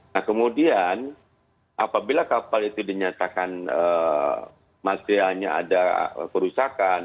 nah kemudian apabila kapal itu dinyatakan materialnya ada kerusakan